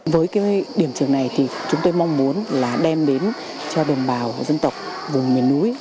với cái điểm trường này thì chúng tôi mong muốn là đem đến cho đồng bào dân tộc vùng miền núi